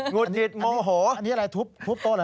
ุดหงิดโมโหอันนี้อะไรทุบโต๊ะเหรอ